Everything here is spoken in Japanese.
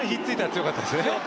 強かったですね。